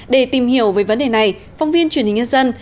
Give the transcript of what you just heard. để tìm hiểu về vấn đề này phóng viên truyền hình nhân dân